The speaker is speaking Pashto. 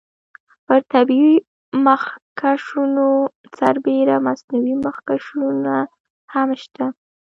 پر طبیعي مخکشونو سربیره مصنوعي مخکشونه هم شته.